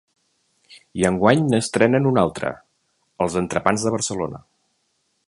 I enguany n’estrenen un altre: els entrepans de Barcelona.